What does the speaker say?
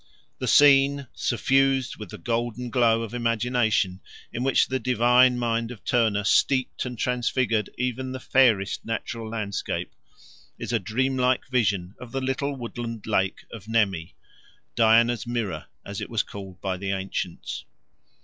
The scene, suffused with the golden glow of imagination in which the divine mind of Turner steeped and transfigured even the fairest natural landscape, is a dream like vision of the little woodland lake of Nemi "Diana's Mirror," as it was called by the ancients.